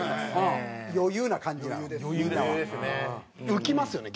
浮きますよね